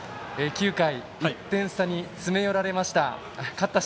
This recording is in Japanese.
９回、１点差に詰め寄られました。